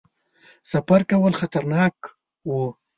سفر کول خطرناک وو.